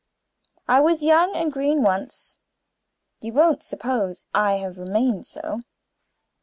"I was young and green once; you don't suppose I have remained so.